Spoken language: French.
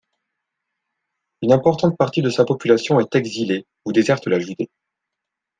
Une importante partie de sa population est exilée ou déserte la Judée.